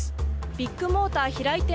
ビッグモーター平井店